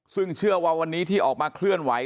ซึ่งเชื่อว่าวันนี้ที่ออกมาเคลื่อนไหว